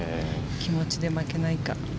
気持ちで負けないか。